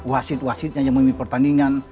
wasit wasitnya yang memimpin pertandingan